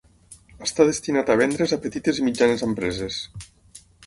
Està destinat a vendre's a petites i mitjanes empreses.